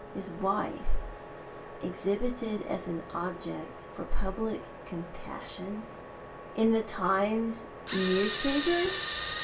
His wife exhibited as an object for public compassion in the Times newspaper!